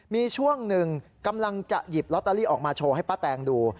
มีช่วงหนึ่งกำลังจะหยิบลอตเตอรี่ออกมาโชว์ให้ป้าแตงดู